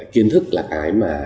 kiến thức là cái